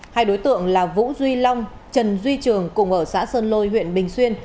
hai đối tượng là vũ duy long trần duy trường cùng ở xã sơn lôi huyện bình xuyên